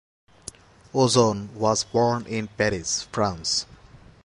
Ozon was born in Paris, France.